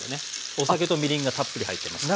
お酒とみりんがたっぷり入ってますから。